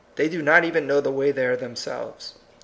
They do not even know the way there themselves.